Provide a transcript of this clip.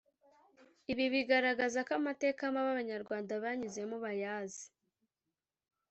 Ibi bigaragaza ko amateka mabi Abanyarwanda banyuzemo bayazi